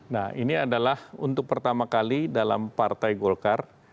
nah ini adalah untuk pertama kali dalam partai golkar